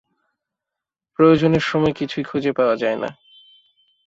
প্রয়োজনের সময় কিছুই খুঁজে পাওয়া যায় না।